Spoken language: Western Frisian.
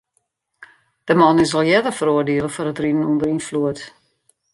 De man is al earder feroardiele foar it riden ûnder ynfloed.